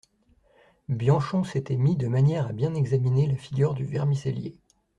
Bianchon s'était mis de manière à bien examiner la figure du vermicellier.